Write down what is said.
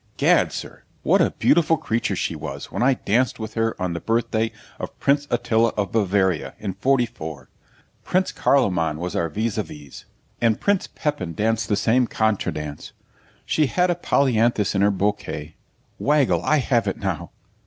Gad, sir, what a beautiful creature she was when I danced with her on the birthday of Prince Attila of Bavaria, in '44. Prince Carloman was our vis a vis, and Prince Pepin danced the same CONTREDANSE. She had a Polyanthus in her bouquet. Waggle, I HAVE IT NOW.'